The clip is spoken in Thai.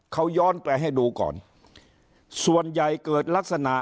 เขาย้อนแปลให้ดูก่อนส่วนใหญ่เกิดลักษณะ